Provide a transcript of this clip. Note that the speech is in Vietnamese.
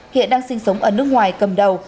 hiện đang sinh sống ở nước ngoài cầm đầu